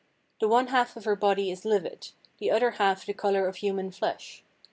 The one half of her body is livid, the other half the colour of human flesh.